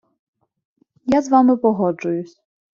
Я з вами погоджуюсь.